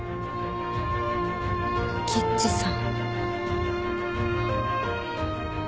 ノキッチさん。